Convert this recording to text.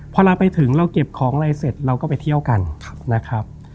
พอเราไปถึงเราเก็บของอะไรเสร็จเราก็ไปเที่ยวกันนะครับ